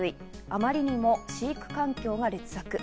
あまりにも飼育環境が劣悪。